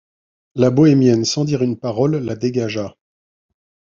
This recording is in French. La bohémienne, sans dire une parole, la dégagea.